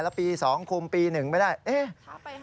แล้วปีสองคุมปีหนึ่งไม่ได้